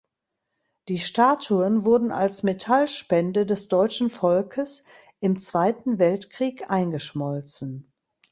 Die Statuen wurden als Metallspende des deutschen Volkes im Zweiten Weltkrieg eingeschmolzen.